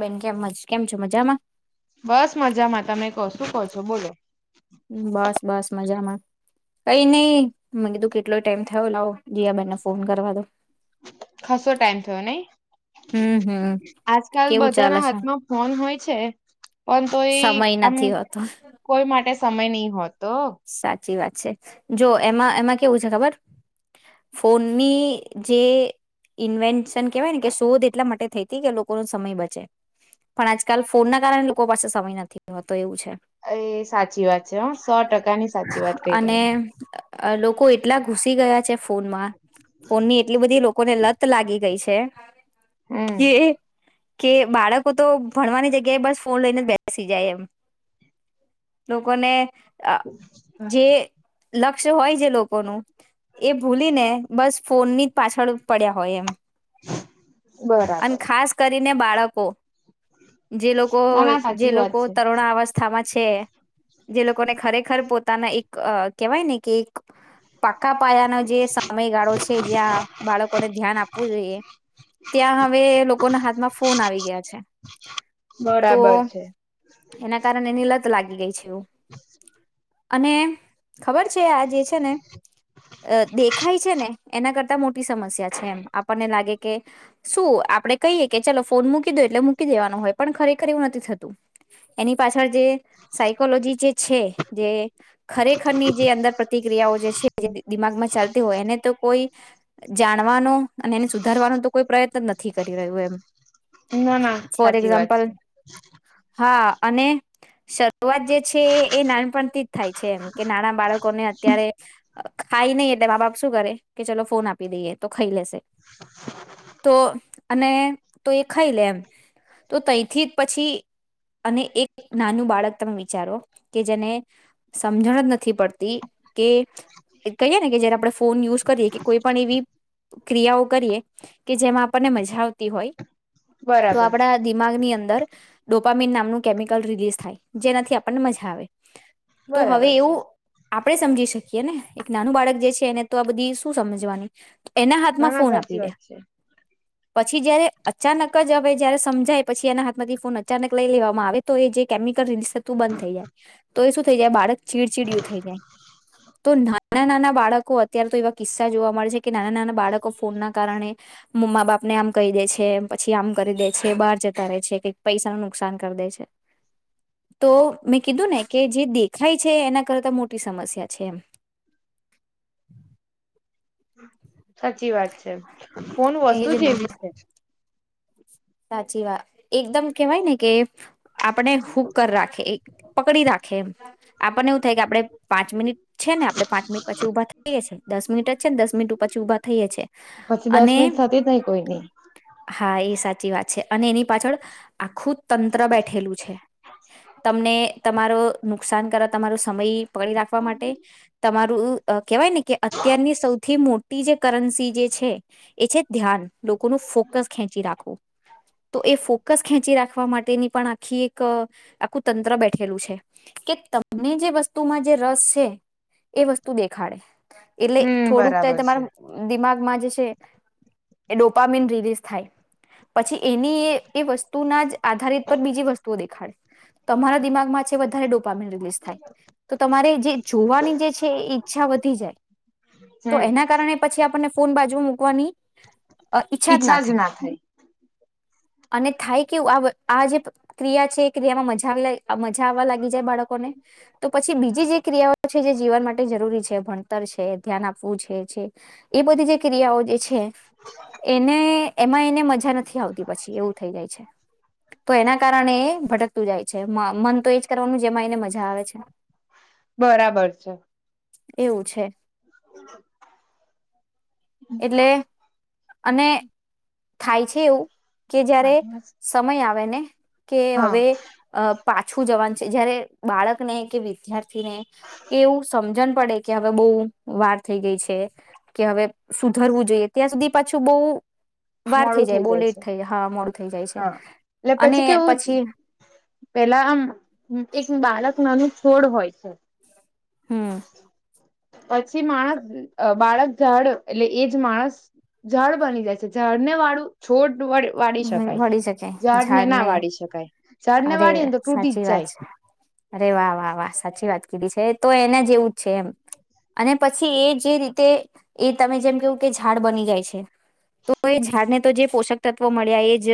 બેન કેમ મજ બસ મજામાં. તમે કહો શું કહો છો બોલો. બસ બસ મજામાં કઈ નહ મે કીધું કેટલો ટાઈમ. થયો લાવો જીયા બેને ફોન કરવા દો. ખાસો ટાઈમ થયો નહી હમ હમ આજકાલ કેવું ચાલે બધાના છે હાથમાં ફોન હોય છે પણ તો એ સમય આમ નથી કોઈ માટે સમય નહી હોત. સાચ સાચી વાત છે જો એમાં એમાં કેવું છે ખબર ફોનની જે ઇન્વેન્શન કેવાય ને કે શોધ એટલા માટે થઈતી કે લોકોનો સમય બચે પણ આજકાલ ફોન ના કારણે લોકો પાસે સમય નથી હોતો એવું છે. એ સાચી વાત છે હ સો ટકા. આની સાચી વાત કઈ અને તમે. લોકો એટલા ઘુસી ગયા છે. ફોનમાં ફોન ની એટલી બધી લોકોને લત લાગી ગઈ છે. હમ છે. કે કે બાળકો તો ભણવાની જગ્યાએ બસ ફોન લઈને જ બેસી જાય એમ લોકોને અ [inaudible] જે લક્ષ્ય હોય જે લોકોનું એ ભૂલી ને બસ ફોનની જ પાછળ પડ્યા હોય એમ. અને બરાબર ખાસ કરીને ને બાળકો જે લોકો ના ના જે સાચી વાત લોકો છે તરુણા અવસ્થા માં છે જે લોકોને ખરેખર પોતે પોતાના એક કેવાય ને કે એક પાકા પાયાનો જે સમયગાળો છે જ્યાં બાળકોને ધ્યાન આપવું જોઈએ ત્યાં હવે લોકોના હાથમાં ફોન આવી ગયા છે તો બરાબર છે એના કારણે એની લત લાગી ગઈ છે. [inaudible] અને ખબર છે આજ જે છે ને દેખાય છે ને એના કરતા મોટી સમસ્યા છે. છે એમ આપણને લાગે કે શું આપડે કહીએ કે ચાલો ફોન મૂકી દો એટલે મૂકી દેવાનો હોય પણ ખરેખર એવું નથી થતું એની પાસે પાછળ જે સાયકોલોજી જે છે ખરેખરની જે અંદર પ્રતિક્રિયાઓ જે છે દિમાગમાં ચાલતી હોય એને તો કોઈ જાણવાનો અને એને સુધારવાનો તો કોઈ પ્રયત્ન નથી કરી રહ્યું એમ ના ના ફોર સાચી વાત એક્ઝામ્પલ છે હા અને સ વાત જે છે એ ના પણતી જ થાય છે એમ કે નાના બાળકોને અત્યારે ખાઈ નહી એટલે મા બાપ શું કરે કે ચલો ફોન આપી દઈએ તો ખાઈ લેશે તો અને તો એ ખાઈ લે એમ તો તઈથી પછી અને એક નાનું બાળક તમે વિચારો કે જેને સમજણ જ નથી પડતી કે કહીએે ને કે જયારે આપણે ફોન યુઝ કરીએ કે કોઈ પણ એવી ક્રિયાઓ કરીએ કે જેમાં આપણને મજા આવતી હોય તો બરાબર આપડા દિમાગની અંદર ડો પમીન નામનું કેમિકલ રિલીઝ થાય જેનાથી આપણને મજા આવે બરાબર છે આપણેે સમજી શકીએ ને એક નાનું બાળક જે છે એને તો આ બધી શું સમજવાની એના ના હાથમાં ના ફોન સાચી આપી દે વાત છે પછી જયારે અચાનક જ હવે જયારે સમજાય પછી એના હાથમાંથી ફોન અચાનક લઈ લેવામાં આવે તો એ જે કેમિકલ રીલીઝ થતું બંધ થઈ જાય તો એ શું થઈ જાય બાર ચીડચીડયું થઈ જાય તો ના નાના નાના બાળકો અત્યારે તો એવા કિસ્સા જોવા મળે છે કે નાના નાના બાળકો ફોનના કારણે મમ્મા બાપને આમ કહી દે છે પછી આમ કરી દે છે બહાર જતા રહે છે કે પૈસાના નુકસાન કરી દે છે તો મેં કીધું ને કે જે દેખાય છે એના કરતા મોટી સમસ્યા છે એમ હમ સાચી વાત છે ફોન વસ્તુ એજ ને જેવી છે [unintelligible] સાચી વાત એકદમ કેવાય ને કે આપણે હુક રાખે એક પકડી રાખે એમ આપણને એવું થાય કે આપણે પાંચ મિનિટ છે ને આપણે પાંચ મિનિટ પછી ઉભા થઈએ છીએ દસ મિનિટ જ છે ને દસ મિનિટ પછી ઉભા થઈએ છીએ પછી દસ અને મિનિટ થતી જ નહી કોઈની હા એ સા સાચી વાત છે અને એની પાછળ આખું તંત્ર બેઠેલું છે તમને તમારો નુકસાન કરો તમારો સમય પકડી રાખવા માટે તમા [inaudible] ક કહેવાય ને કે અત્યારની સૌથી મો જે કરન્સી જે છે એ છે ધ્યાન લોકો ન ફોકસ ખેંચી રાવખું તો એ ફોકસ ખેંચી રાખવા આપ માટેની પણ આખી એક આખું તંત્ર બેઠેલું છે કે તમને જે વસ્તુમાં જે રસ છે એ વસ્તુ દેખાડે એટલે હમ થોડુંક તોય બરાબર તમારે છે દિમાગ માં જ છે, એ ડોપામીન રિલીઝ થાય. પછી એની એ એ વસ્તુના જ આધારિત પર બીજી વસ્તુઓ દેખાડે તમારા દિમાગમાં છે વધારે ડો ડોપામીન રીલીઝ થાય તો તમારે જે જોવાની જે છે એ ઈચ્છા વધી જાય, તો હમ એના કારણે પછી આપણને ફોન બાજુમાં મૂકવાની ઈચ્છા જ ના થાય. અને થાય કેવું આ આ જે ક્રિયા છે એ ક્રિયામાં મઝા મઝા આવવા લાગી જાય બાળકોને તો પછી બીજી જે ક્રિયાઓ છે જે જીવન માટે જરૂરી છે ભણતર છે ધ્યાન આપવું છ છે જે એ બધી જે ક્રિયાઓ જે છે. હે એને એમાં એને મજા ઝા નથી આવતી પછી એવું થઈ જાય છે. તો એના કારણે એ ભટક તો જાય છે મ મન તો એજ કરવાનું જેમાં એને મઝાવે છે. બરાબર છે એવું છે. [inaudible] એટલે અને થાય છે એવું કે જયારે મારી વાત સમય આવે પેને કે હા હવે અ પાછું જવાનું છે, જયારે બાળકને કે વિદ્યાર્થીને એવું સમજણ પડે કે હવે બહુ વાર થઈ ગઈ છે કે હવે સુધરવું જોઈએ ત્યાં સુધી પાછું બહુ વાર થઇ મોડું થઈ જાય બહુ લેટ છે થઇ જાય હા મોડુ હા એટલે પછી કેવું પેલા આમ એક બાળક નાનું છોડ હોય છે. હમ. પછી માણસ બાળક ઝાડ એટલે એજ માણસ ઝાળ બની જાય છે ઝાળ ને વાળું છોડ [unintelligible] વાળી હમ શકાય. વળી શકે ઝાડ ને ના ઝાડને વાળી શકાય ઝાડ ને અરે વાળીએ ને તો તૂટી જ સાચી વાત છે જાય. અરે વાહ વાહ વાહ સાચી વાત કીધી છે, તો એને જેવું જ છે એમ અને પછી એ જે રીતે એ તમે જેમ કેવું કે ઝાડ બની જાય છે, તો એ ઝાડ ને તો જે પોષક તત વ મળ્યા એજ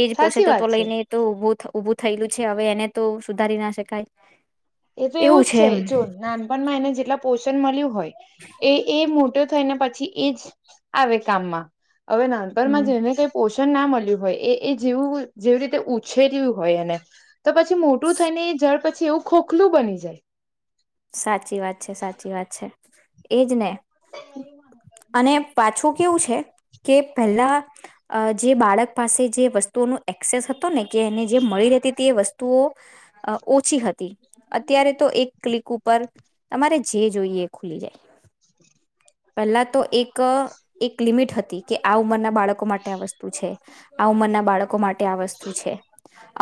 એજ સાચી વાત પોષકતત્વ છે લઈને તો ઉભું થ ઊભું થયેલું છે હવે એને તો સુધારી ના શકાય. એ તો એવું જ છે જો નાનપણમાં એના જેટલા પોષણ મળ્યું હોય. એ એ મૂર થઈને પછી એજ આવે કામમાં. હવે નાનપણમાં હમ જેને કઈ પોષ ના મળ્યું હોય એ એ જેવું જેવી રીતે ઉછેર્યું હોય એને. તો પછી મોટું થઈને જડ પછી ખોખલું બની જાય. સાચી વાત છે સાચી વાત છે. એજ ને. અને પાછું કેવું છે કે પેલા અ જે બાળક પાસે જે વસ્તુઓનો એક્સેસ હતો ને કે એને જે મળી રહે તે એ વસ્તુ તુંઓ, ઓછી હતી. અત્યારે તો એક ક્લિક ઉપર તમારે જે જોઈએ એ ખુલી જાય. [inaudible] પહેલા તો એક એક એક લિમિટ હતી કે આ ઉંમરના બાળકો માટે આ વસ્તુ છે, આ ઉંમરના બાળકો માટે આ વસ્તુ છે.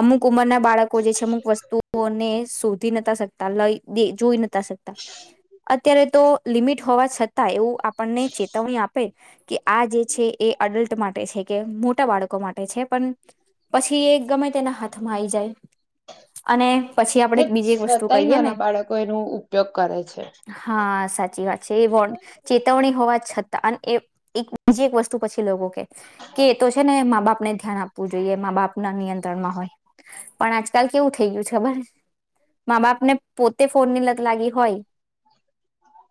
અમુક ઉંમરના બાળકો જે છે અમુક વસ્તુઓને શધ થી ન શકતા, લઈ જોઈ નથી સકતા, અત્યારે તો લિમિટ હોવા છતાં એવું આપણને ચેતવણી આપે, કે આ જે છે એ અડલ્ટ માટે છે કે મો મોટા બાળકો માટે છે પણ પછી એક ગમે તેના થમાં આવી જાય. અને પછી આપણે તે એક બીજી એક વસ્તુ છતાંય કહીએ ને. નાના બાળકો એનો ઉપયોગ કરે છે હા સાચી વાત છે એ ચેતવણી હોવા છતાં એ એક બીજી એક વસ્તુ પછી લોકો કે એ તો છે ને મા બાપ ને ધ્યાન આપવું જોઈએ મા બાપ ના નિયંત્રણમાં હોય પણ આજકાલ કેવું થઈ ગયું છે ખબર મા બાપને પોતે ફોનની લાગી હોય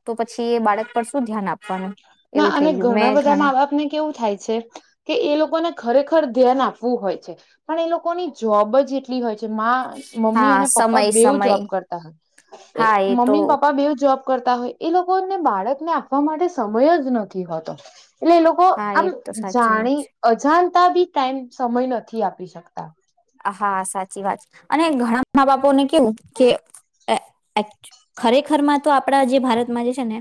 તો પછી એ બાળક પર શું ધ્યાન આપવાનું ના એવું અને થઈ ગયું ઘણા મેં બધા મા બાપને કેવું થાય છે કે એ લોકોને ખરેખર ધ્યાન આપ વુ હોય છે પણ એ લોકોની જોબ જ એટલી હોય કે મા મમ્મી હા અને પપ્પા સમય બેવું જોબ સમય કરતા હોય હા એ તો મમ્મી ન પપ્પા બેવ જોબ કરતા હોય એ લોક કોને બાળકને આપવા માટે સમય જ નથી હોતો. એટલે એ લોકો હા એ આમ તો સાચી વાત જાણી છે. અજાણ તા બી ટાઈમ સમય નથી આપી શકતા. હા, સાચી વાત અને ઘણા મા બાપોને કેવું કે એ એકચ્ ખરેખરમાં તો આપણા જે ભારતમાં જે છે ને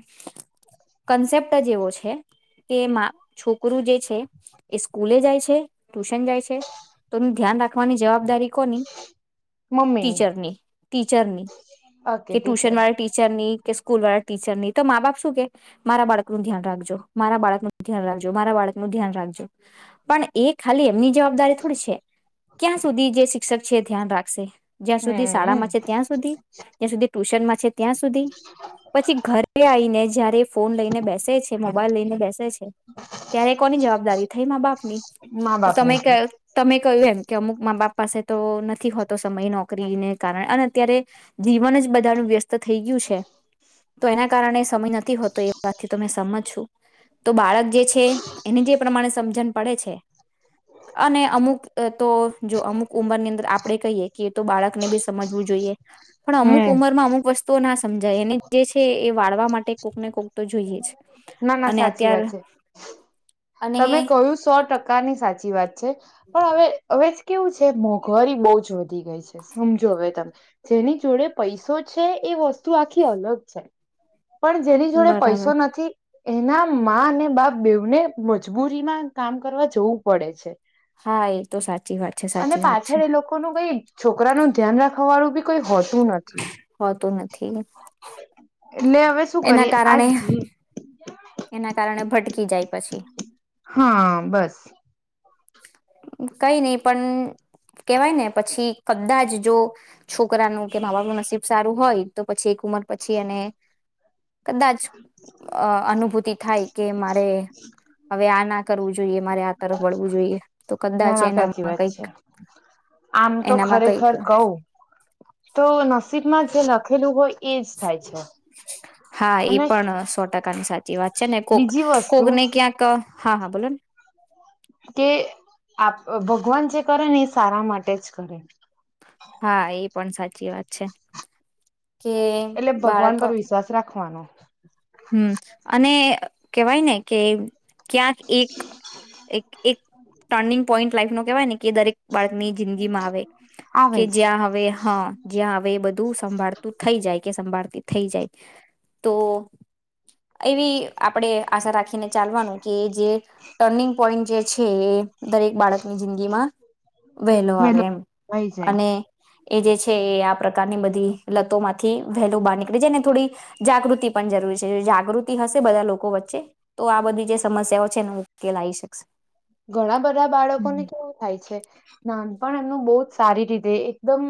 કન્સેપ્ટ જ એવો છે કે મા છોકરી ગુરુ જે છે એ સ્કૂલે જાય છે, ટ્યુશન જાય છે તો એનું ધ્યાન રાખ વાની જવાબદારી કોની મમ્મીની ટીચરની, ટીચરની ઓકે કે ટીચરની ટુશનવાળા ટીચરની. કે સ્કૂલવાળા ટીચરની તો મા બાપ શું કે મારા બાળકનું ધ્યાન રાખજો. મારા બાળકનું ધ્યાન રાખજો મારા બાળકનું ધ્યાન રાખજો પણ એ ખાલી એમની જવાબદારી થોડી છે કયાં સુધી જે શિ ક્ષક છે એ ધ્યાન રાખશે જ્યાં સુધી શાળામાં છે હમ ત્યાં સુધી [unintelligible] ટ્યુશનમાં છે ત્યાં સુધી પછી ઘરે આઈને જયારે એ ફોન લઈને બેસે છે, મોબાઈલ લઈને બેસે છે ત્યારે કોની જવાબદારી થઈ મા બાપ ની મા તો બાપની થઈ તમે કય કહ્યું એમ મા બાપ પાસે તો નથી હોતો સમય નોકરીને કારણે અને અત્યારે જીવન જ બધાનું વ્યસ્ત થઈ ગયું છે તો એના કારણે સમય નથી હોતો એ વાતથી તો મે સંમત છું. તો બાળક જે છે એને જે પ્રમાણે સમજણ પડે છે અને અમુક અ જો અમુક ઉંમર અંદર આપણે કહીએ કે એ તો બાળકને બી સમજવું જોઈએ પણ અમુક હમ ઉંમર માં અમુક વસ્ તો ના સમજાય એને જે છે એ વાળવા માટે કોકને કોક તો જોઈએ જ ના ના અને સાચી અત્યાર વાત છે અને તમે કહ્યું સો ટકાની સા [unintelligible] વાત પણ હવે હવે કેવું છે, મોંઘવારી બહ જ વધી ગઈ છે, સમજો હવે તમે જેની જોડે પૈસો છે, એ વસ્તુ આખી અલગ છે. પણ જેની જોડે બરાબર પૈસો નથી. એના અને બાપ બેવને. મજબૂરી માં કામ કરવા જવું પડે છે. હા એ તો સાચી વાત છે અને સાચી વાત છે પાછળ એ લોકો ન કઈ છોકરાનું ધ્યાન રાખવા [unintelligible] વાળું બી કોઈ હોતું નથી હોતું નથી એટલે હવે શું એના કરી આજ કારણે એના કારણે ભટકી જાય. પછી હા બસ કઈ [unintelligible] પણ કેવાય ને પછી કદાચ જો. છોકરાનું કે [unintelligible] બાવાનું નસીબ સારું હોય તો પછી ઉમર પછી અને કદાચ અનુભૂતિ થાય કે મારે હવે આ ના કરવું જોઈએ મારે આ તરફ વળ વું જોઈએ. નાા સાચી વાત છે, આમ તો એનામાં કઈક ખરેખર કવ તો નસીબમાં જે લખેલું હોય. એજ થાય છે હા એ અને પણ સો ટકાની સાચી વાત છે, ને કોક બીજી કોક વસ્તુ ને ક્યાંક હા હા બોલો ને કે આપ ભગવાન જે કરે ને એ સારા માટે જ કરે. હા એ પણ સાચી વાત છે કે એટલે ભગવાન બાળક પર વિશ્વાસ રાખવાનો. હમ અને કેવાય ને કે ક્યાંક એક એક એક ટર્નિંગ પોઈન્ટ લાઈફ નો કવા ને કે દરેક બાળકની જિંદગી માં આવે કે આવે જ જ્યાં હવે હા જ્યાં હવે એ બધું સંભાળતું થઈ જાય. કે સંભાળતી થઈ જાય તો [inaudible] એવી આપણે આશા રાખીને ચાલવાનું કે જે ટર્નિંગ પોઈન્ટ જે છે, એ દરેક બાળકની જિંદગીમાં વહેલો આવે વેલો એમ થઈ જાય અને એ જે છે, એ આ પ્રકારની બધી લતો માંથી [unintelligible] બહાર નીકળે છેને થોડી જાગૃતિ પણ જરૂરી છે. જાગૃતિ હશે બધા લોકો વચ્ચે તો આ બધી જે સમસ્યાઓ એ ન ઉકેલ આવી શકશે. ઘણા બધા બાળકો ને હમ કેવું થાય છે, નાની પણ એમનું બહુ જ સારી રીતે એકદમ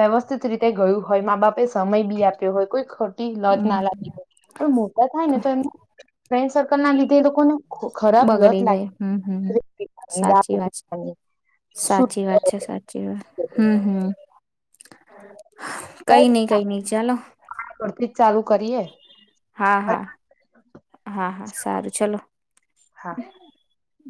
વ્યવસ્થિત રીતે ગયું. હોય મા બાપે સમય બી આપ્યો હોય કોઈ ખ લત હમ ના લાગી પણ મોટા થાય ને તો એ ફ્રેન્ડ સર્કલ ના લીધે એ લોકોને ખરાબ લત લાગી મ સાચી દારૂ વાત છે પીવાની સુ સાચી વાત છે સાચી વાત હમ હમ. કઈ નઈ કઈ નઈ ચાલો. કરતી જ ચાલુ કરીએ. હા હા, હા હા સારું ચલો. હા.